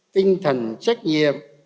tinh thần trách nhiệm